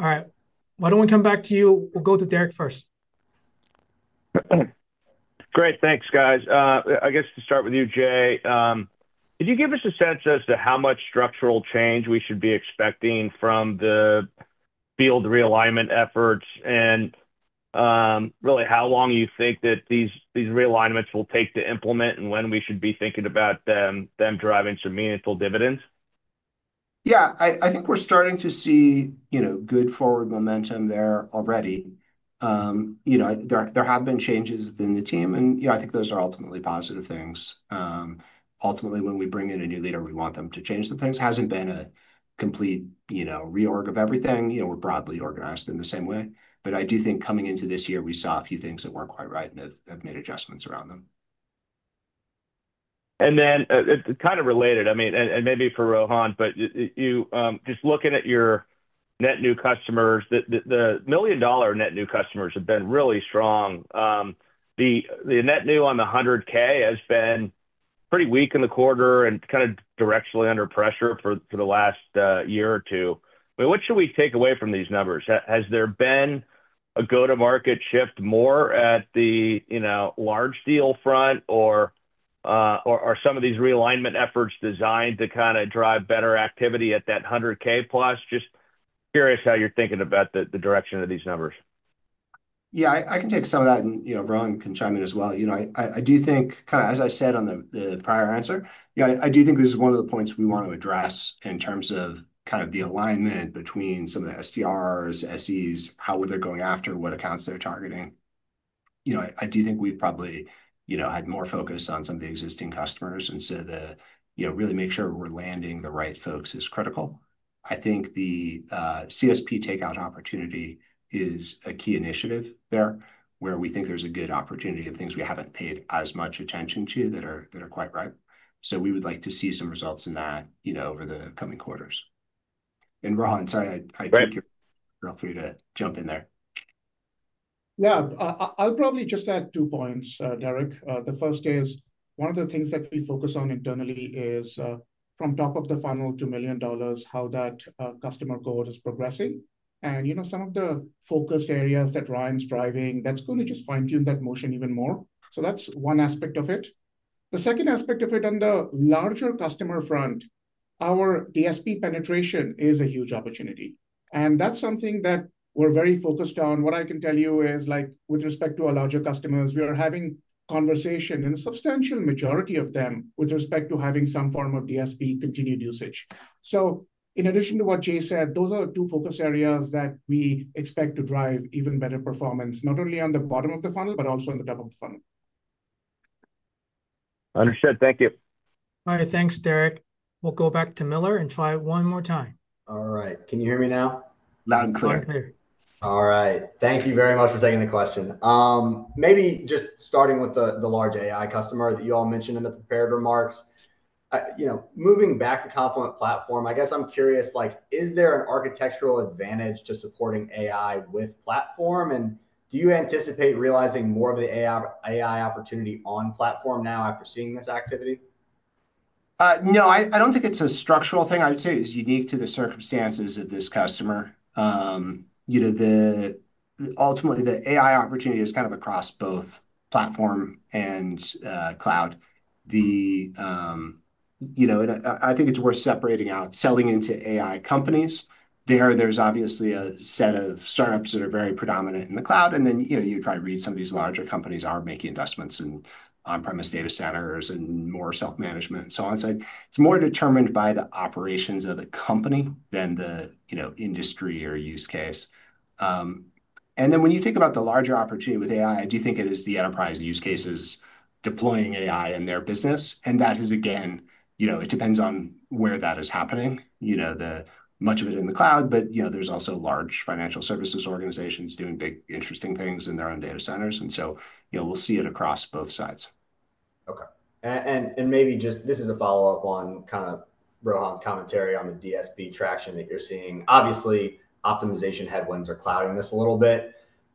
All right, why don't we come back to you? We'll go to Derek first. Great, thanks guys. I guess to start with you, Jay, could you give us a sense as to how much structural change we should be expecting from the field realignment efforts and really how long you think that these realignments will take to implement and when we should be thinking about them driving some meaningful dividends? Yeah, I think we're starting to see good forward momentum there already. There have been changes within the team and I think those are ultimately positive things. Ultimately, when we bring in a new leader, we want them to change the things. Hasn't been a complete reorg of everything. We're broadly organized in the same way. I do think coming into this year we saw a few things that weren't quite right and have made adjustments. Around them. It's kind of related. Maybe for Rohan, but just looking at your net new customers, the million dollar net new customers have been really strong. The net new on the $100,000 has been pretty weak in the quarter and kind of directionally under pressure for the last year or two. What should we take away from these numbers? Has there been a go to market shift more at the large deal front, or are some of these realignment efforts designed to drive better activity at that $100,000 plus? Just curious how you're thinking about the direction of these numbers. Yeah, I can take some of that. Rohan can chime in as well. I do think, as I said on the prior answer, this is one of the points we want to address in terms of the alignment between some of the STRs, SEs, how they're going after, what accounts they're targeting. I do think we've probably had more focus on some of the existing customers. Really making sure we're landing the right folks is critical. I think the CSP takeout opportunity is a key initiative there where we think there's a good opportunity of things we haven't paid as much attention to that are quite right. We would like to see some results in that over the coming quarters. Rohan, sorry I took your—feel free to jump in there. Yeah, I'll probably just add two points, Derek. The first is one of the things that we focus on internally is from top of the funnel to $1 million, how that customer code is progressing, and you know, some of the focused areas that Ryan's driving, that's going to just fine tune that motion even more. That's one aspect of it. The second aspect of it, on the larger customer front, our Data Streaming Platform penetration is a huge opportunity, and that's something that we're very focused on. What I can tell you is like with respect to our larger customers, we are having conversation and a substantial majority of them with respect to having some form of Data Streaming Platform continued usage. In addition to what Jay said, those are two focus areas that we expect to drive even better performance not only on the bottom of the funnel, but also on the top of the funnel. Understood, thank you. All right, thanks, Derek. We'll go back to Miller and try it one more time. All right, can you hear me now? Loud and clear. All right, thank you very much for taking the question. Maybe just starting with the large AI customer that you all mentioned in the prepared remarks, you know, moving back to Confluent Platform, I guess I'm curious, like, is there an architectural advantage to supporting AI with Platform? Do you anticipate realizing more of the AI opportunity on Platform now after seeing this activity? No, I don't think it's a structural thing. I would say it's unique to the circumstances of this customer. Ultimately, the AI opportunity is kind of across both Platform and Cloud. I think it's worth separating out selling into AI companies. There is obviously a set of startups that are very predominant in the cloud and then you'd probably read some of these larger companies are making investments in on-premise data centers and more self-management and so on. It's more determined by the operations of the company than the industry or use case. When you think about the larger opportunity with AI, I do think it is the enterprise use cases deploying AI in their business. That is again, you know, it depends on where that is happening. Much of it is in the cloud, but, you know, there's also large financial services organizations doing big, interesting things in their own data centers. You know, we'll see it across both sides. Okay. Maybe just this is a follow-up on kind of Rohan's commentary on the DSP traction that you're seeing. Obviously, optimization headwinds are clouding this a little bit.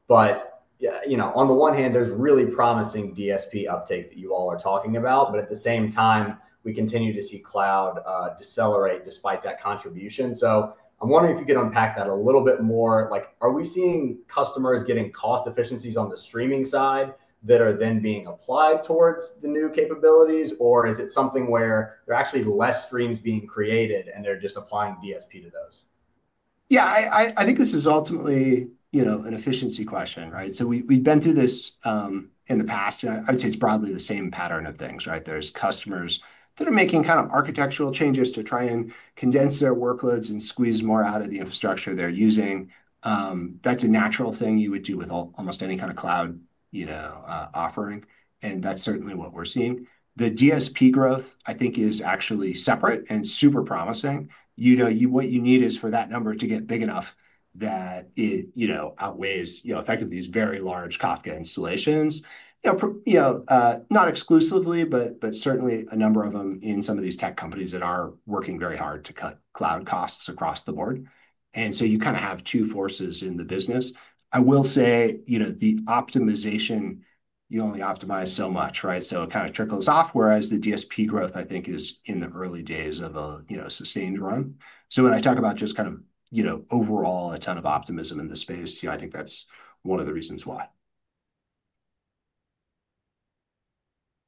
On the one hand, there's really promising DSP uptake that you all are talking about, but at the same time, we continue to see cloud decelerate despite that contribution. I'm wondering if you can unpack that a little bit more. Like, are we seeing customers getting cost efficiencies on the streaming side that are then being applied towards the new capabilities, or is it something where there are actually less streams being created and they're just applying DSP to those? Yeah, I think this is ultimately, you know, an efficiency question. We've been through this in the past. I would say it's broadly the same pattern of things. There are customers that are making kind of architectural changes to try and condense their workloads and squeeze more out of the infrastructure they're using. That's a natural thing you would do with almost any kind of cloud offering. That's certainly what we're seeing. The DSP growth, I think, is actually separate and super promising. What you need is for that number to get big enough that it outweighs, effectively, these very large Kafka installations. Not exclusively, but certainly a number of them in some of these tech companies that are working very hard to cut cloud costs across the board. You kind of have two forces in the business. I will say the optimization, you only optimize so much, right. It kind of trickles off, whereas the DSP growth, I think, is in the early days of a sustained run. When I talk about just overall a ton of optimism in this space, I think that's one of the reasons why.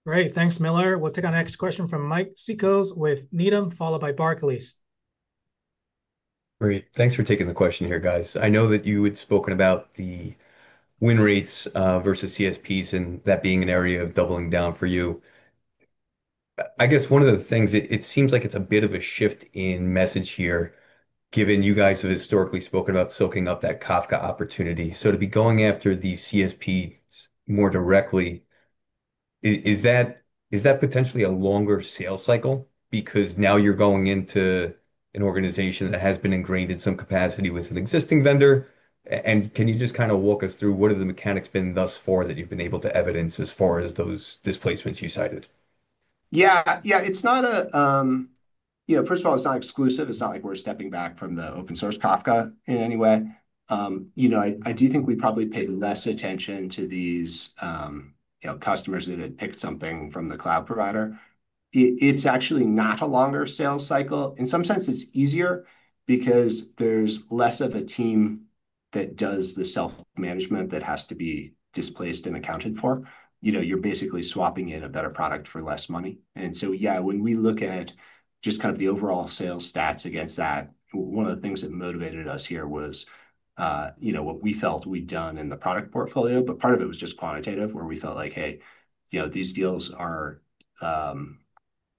Great, thanks, Miller. We'll take our next question from Mike Cikos with Needham, followed by Barclays. Great, thanks for taking the question here, guys. I know that you had spoken about the win rates versus CSPs and that being an area of doubling down for you. I guess one of the things, it seems like it's a bit of a shift in message here given you guys have historically spoken about soaking up that Kafka opportunity. To be going after the CSP more directly, is that potentially a longer sales cycle? Because now you're going into an organization that has been ingrained in some capacity with an existing vendor. Can you just walk us through what the mechanics have been thus far that you've been able to evidence as far as those displacements you cited? Yeah, it's not a, first of all, it's not exclusive. It's not like we're stepping back from the open source Kafka in any way. I do think we probably paid less attention to these customers that had picked something from the cloud provider. It's actually not a longer sales cycle. In some sense, it's easier because there's less of a team that does the self-management that has to be displaced and accounted for. You're basically swapping in a better product for less money. Yeah, when we look at just kind of the overall sales stats against that, one of the things that motivated us here was what we felt we'd done in the product portfolio. Part of it was just quantitative where we felt like, hey, these deals are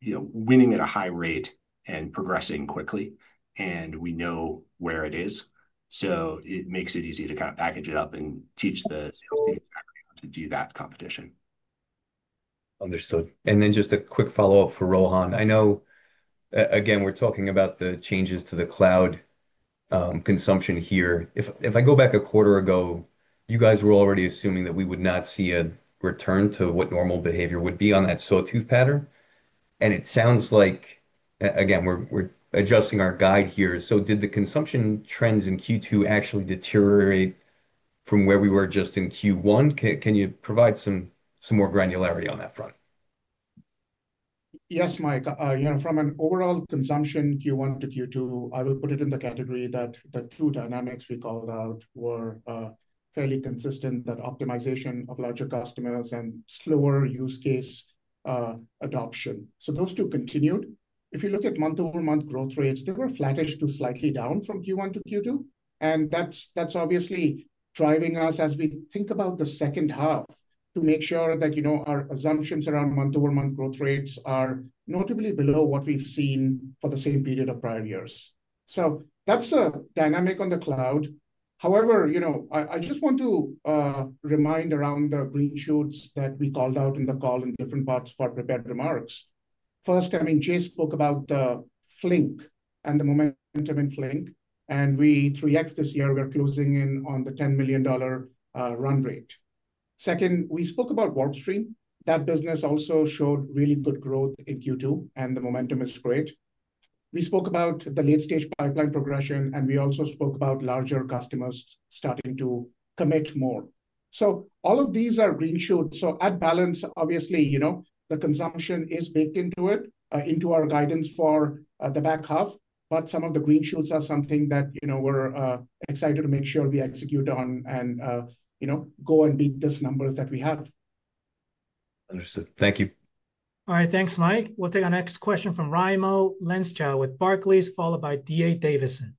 winning at a high rate and progressing quickly and we know where it is. It makes it easy to kind of package it up and teach the team to do that competition. Understood. Just a quick follow up for Rohan. I know again we're talking about the changes to the cloud consumption here. If I go back a quarter ago, you guys were already assuming that we would not see a return to what normal behavior would be on that sawtooth pattern. It sounds like again we're adjusting our guide here. Did the consumption trends in Q2 actually deteriorate from where we were just in Q1? Can you provide some more granularity on that front? Yes, Mike. You know, from an overall consumption Q1 to Q2, I will put it in the category that the two dynamics we called out were fairly consistent: that optimization of larger customers and slower use case adoption. Those two continued. If you look at month-over-month growth rates, they were flattish to slightly down from Q1 to Q2, and that's obviously driving us as we think about the second half to make sure that our assumptions around month-over-month growth rates are notably below what we've seen for the same period of prior years. That's a dynamic on the cloud. However, I just want to remind around the green shoots that we called out in the call in different parts of our prepared remarks. First, I mean Jay spoke about the Flink and the momentum in Apache Flink, and we 3X this year. We're closing in on the $10 million run rate. Second, we spoke WarpStream. that business also showed really good growth in Q2, and the momentum is great. We spoke about the late-stage pipeline progression, and we also spoke about larger customers starting to commit more. All of these are green shoots. At balance, obviously the consumption is baked into our guidance for the back half. Some of the green shoots are something that we're excited to make sure we execute on and go and beat these numbers that we have. Understood, thank you. All right, thanks Mike. We'll take our next question from Raimo Lenschow with Barclays, followed by D.A. Davidson.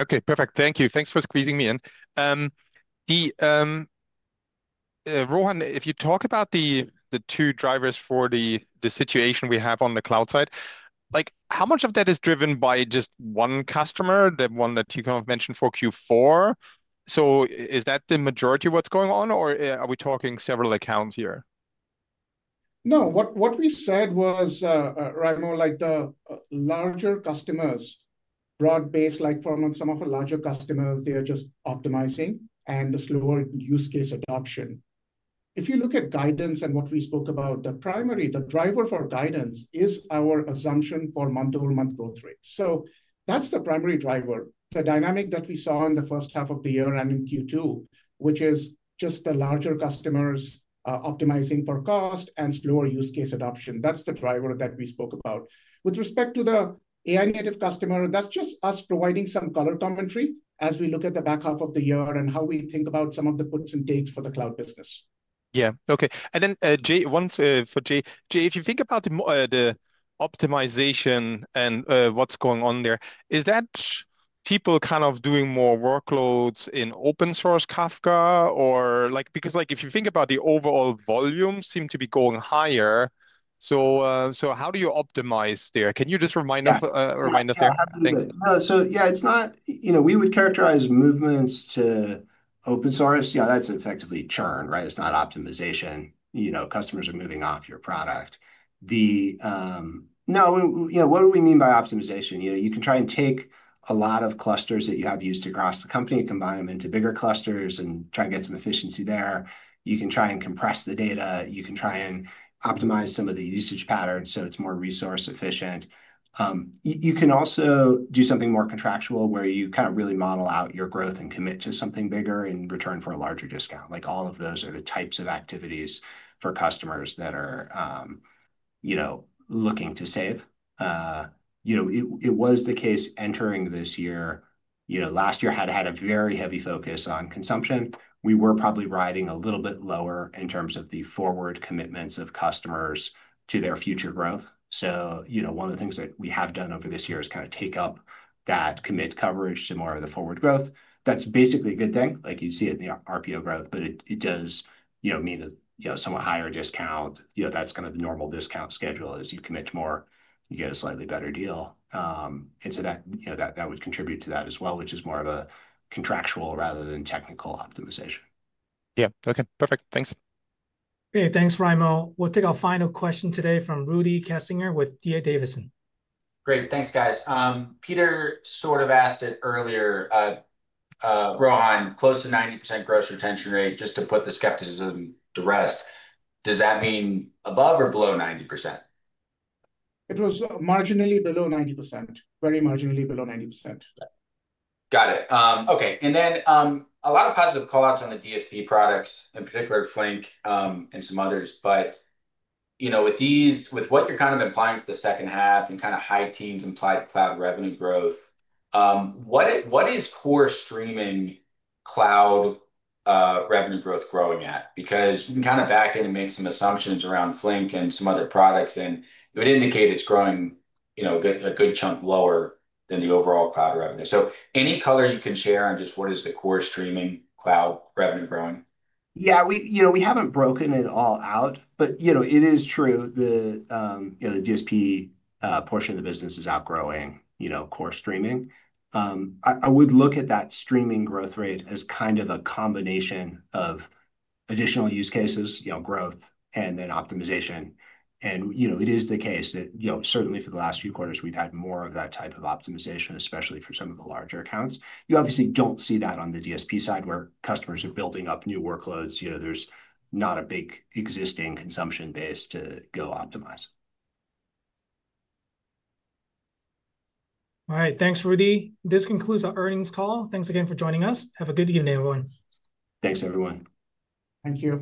Okay, perfect. Thank you. Thanks for squeezing me in. Rohan, if you talk about the two drivers for the situation we have on the cloud side, how much of that is driven by just one customer? The one that you kind of mentioned for Q4. Is that the majority of what's going on, or are we talking several accounts here? No, what we said was, Raimo, the larger customers, broad based, like Form and some of the larger customers, they are just optimizing and the slower use case adoption. If you look at guidance and what we spoke about, the primary driver for guidance is our assumption for month over month growth rate. That's the primary driver, the dynamic that we saw in the first half of the year and in Q2, which is just the larger customers optimizing for cost and slower use case adoption. That's the driver that we spoke about with respect to the AI-native customer. That's just us providing some color commentary as we look at the back half of the year and how we think about some of the puts and takes for the cloud business. Yeah. Okay. One for Jay. Jay, if you think about the optimization and what's going on there, that is that. People kind of doing more workloads in open source Kafka because if you think about the overall volume. Seem to be going higher. How do you optimize there. Can you just remind us, remind us there. It's not, you know, we would characterize movements to open source as effectively churn. It's not optimization. Customers are moving off your product. What do we mean by optimization? You can try and take a lot of clusters that you have used across the company, combine them into bigger clusters, and try to get some efficiency there. You can try and compress the data. You can try and optimize some of the usage patterns so it's more resource efficient. You can also do something more contractual where you really model out your growth and commit to something bigger in return for a larger discount. All of those are the types of activities for customers that are looking to save. It was the case entering this year. Last year had a very heavy focus on consumption. We were probably riding a little bit lower in terms of the forward commitments of customers to their future growth. One of the things that we have done over this year is take up that commit coverage to more of the forward growth. That's basically a good thing. You see it in the RPO growth. It does mean somewhat higher discount. That's kind of the normal discount schedule: you commit more, you get a slightly better deal. That would contribute to that as well, which is more of a contractual rather than technical optimization. Yeah, okay, perfect. Thanks. Hey, thanks, Raimo. We'll take our final question today from Rudy Kessinger with D.A. Davidson. Great, thanks guys. Peter sort of asked it earlier. Rohan, close to 90 gross retention rate. Just to put the skepticism to rest, does that mean above or below 90%? It was marginally below 90%. Very marginally below 90%. Got it. Okay. There was a lot of positive call. Outs on the DSP products in particular, Flink and some others. With what you're kind of implying for the second half and kind of high teens implied cloud revenue growth, what is core streaming cloud revenue growth growing at? We can kind of back in and make some assumptions around Flink and some other products, and it would indicate it's growing a good chunk lower than the overall cloud revenue. Any color you can share on just what is the core streaming cloud revenue growing? Yeah, we haven't broken it all out, but it is true the DSP portion of the business is outgrowing core streaming. I would look at that streaming growth rate as kind of a combination of additional use cases, growth, and then optimization. It is the case that certainly for the last few quarters, we've had more of that type of optimization, especially for some of the larger accounts. You obviously don't see that on the DSP side, where customers are building up new workloads. There's not a big existing consumption base to go optimize. All right, thanks, Rudy. This concludes our earnings call. Thanks again for joining us. Have a good evening, everyone. Thanks, everyone. Thank you.